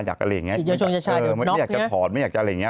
อยากอะไรอย่างนี้ไม่อยากจะถอดไม่อยากจะอะไรอย่างนี้